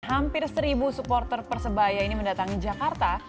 hampir seribu supporter persebaya ini mendatangi jakarta